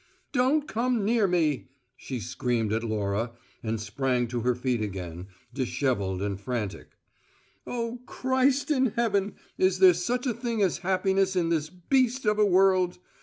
"Don't come near me!" she screamed at Laura, and sprang to her feet again, dishevelled and frantic. "Oh, Christ in heaven! is there such a thing as happiness in this beast of a world?